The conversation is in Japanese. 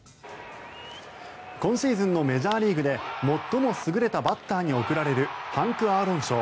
今シーズンのメジャーリーグで最も優れたバッターに贈られるハンク・アーロン賞。